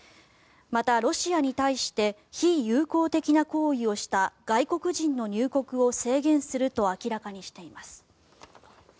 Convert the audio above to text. また、ロシアに対して非友好的な行為をした外国人の入国を制限すると明らかにしています。